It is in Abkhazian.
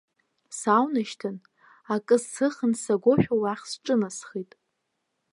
Сааунашьҭын, акы сыхан сагошәа уахь сҿынасхеит.